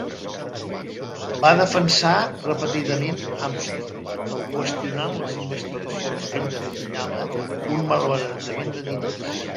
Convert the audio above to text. Va defensar repetidament Amstrong, qüestionant les investigacions que ell denominava "un malbaratament de diners".